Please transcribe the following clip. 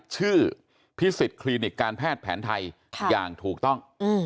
ชื่อพิสิทธิ์คลินิกการแพทย์แผนไทยอย่างถูกต้อง